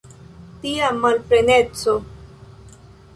Tia malpleneco!